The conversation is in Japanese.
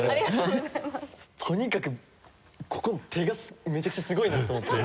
とにかくここの手がめちゃくちゃすごいなと思って。